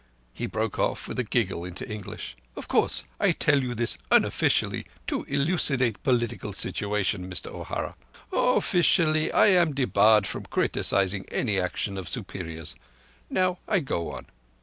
He broke off with a giggle into English: "Of course, I tell you this unoffeecially to elucidate political situation, Mister O'Hara. Offeecially, I am debarred from criticizing any action of superiors. Now I go on.